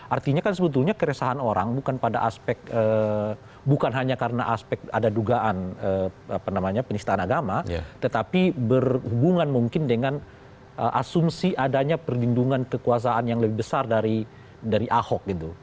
artinya kan sebetulnya keresahan orang bukan pada aspek bukan hanya karena aspek ada dugaan penistaan agama tetapi berhubungan mungkin dengan asumsi adanya perlindungan kekuasaan yang lebih besar dari ahok gitu